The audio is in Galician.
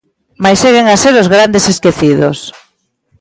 Mais seguen a ser os grandes esquecidos.